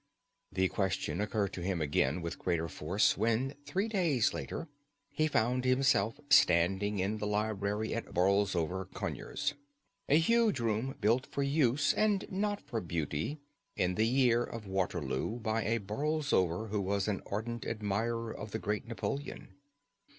The question occurred to him again with greater force when three days later he found himself standing in the library at Borlsover Conyers, a huge room built for use, and not for beauty, in the year of Waterloo by a Borlsover who was an ardent admirer of the great Napoleon.